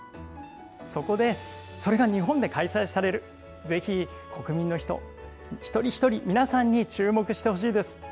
そこで、それが日本で開催される、ぜひ国民の人、一人一人、皆さんに注目してほしいです。